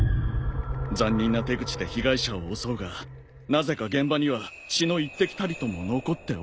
残忍な手口で被害者を襲うがなぜか現場には血の一滴たりとも残っておらず。